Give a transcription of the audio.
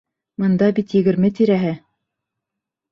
Бында бит егерме тирәһе.